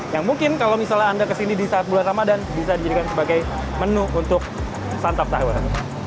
yang mungkin kalau misalnya anda kesini di saat bulan ramadhan bisa dijadikan sebagai menu untuk santap sahur